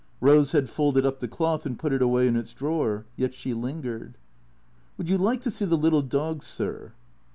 Rose had folded up the cloth and put it away in its drawer. Yet she lingered. " Would you like to see the little dogs, sir